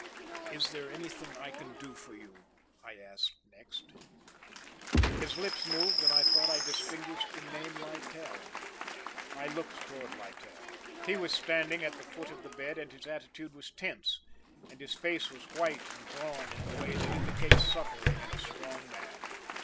"Is there anything I can do for you?" I asked next. His lips moved and I thought I distinguished the name "Littell." I looked towards Littell. He was standing at the foot of the bed, and his attitude was tense and his face was white and drawn in the way that indicates suffering in a strong man.